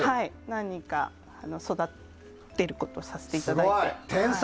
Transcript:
何人か育っている子がいさせていただいて。